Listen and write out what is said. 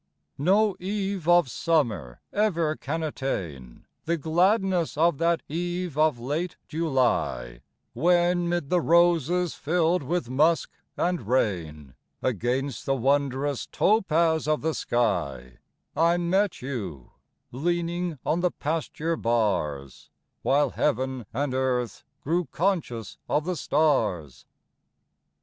No eve of summer ever can attain The gladness of that eve of late July, When 'mid the roses, filled with musk and rain, Against the wondrous topaz of the sky, I met you, leaning on the pasture bars, While heaven and earth grew conscious of the stars.